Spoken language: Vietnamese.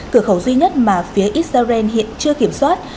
cửa khẩu duy nhất mà phía israel hiện chưa kiểm soát